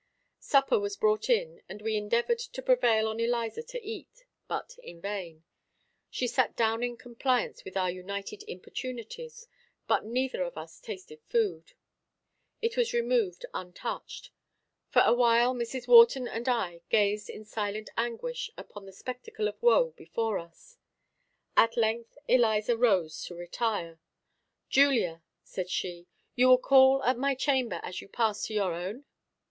Supper was brought in, and we endeavored to prevail on Eliza to eat, but in vain. She sat down in compliance with our united importunities; but neither of us tasted food. It was removed untouched. For a while, Mrs. Wharton and I gazed in silent anguish upon the spectacle of woe before us. At length Eliza rose to retire. "Julia," said she, "you will call at my chamber as you pass to your own?"